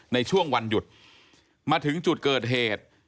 ในช่วงวันหยุดมาถึงจุดเกิดเหตุ